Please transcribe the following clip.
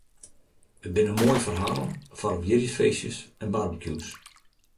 It binne moaie ferhalen foar op jierdeifeestjes en barbekjûs.